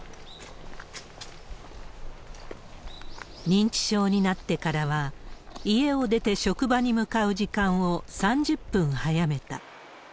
認知症になってからは、家を出て職場に向かう時間を３０分早めた。